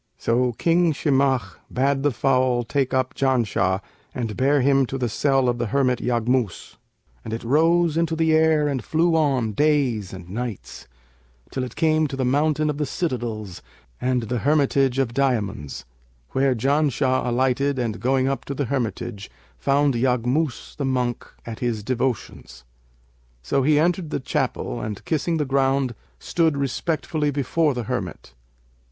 So King Shimakh bade the fowl take up Janshah and bear him to the cell of the hermit Yaghmus; and it rose into the air and flew on days and nights, till it came to the Mountain of the Citadels and the Hermitage of Diamonds where Janshah alighted and going up to the hermitage, found Yaghmus the Monk at his devotions. So he entered the chapel and, kissing the ground stood respectfully before the hermit.